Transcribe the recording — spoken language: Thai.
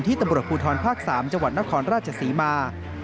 ตำรวจภูทรภาค๓จังหวัดนครราชศรีมา